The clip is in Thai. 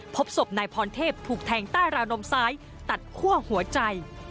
พบศพนายพรเทพถูกแทงใต้ราวนมซ้ายตัดคั่วหัวใจ